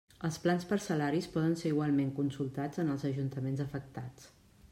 Els plans parcel·laris poden ser igualment consultats en els ajuntaments afectats.